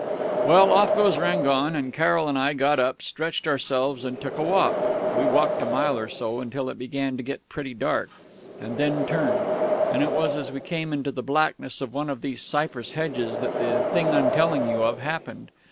"Well, off goes Rangon, and Carroll and I got up, stretched ourselves, and took a walk. We walked a mile or so, until it began to get pretty dark, and then turned; and it was as we came into the blackness of one of these cypress hedges that the thing I'm telling you of happened.